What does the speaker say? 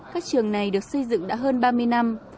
các trường này được xây dựng đã hơn ba mươi năm